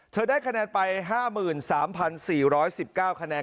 ได้คะแนนไป๕๓๔๑๙คะแนน